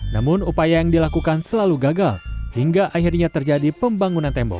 namun upaya yang dilakukan selalu gagal hingga akhirnya terjadi pembangunan tembok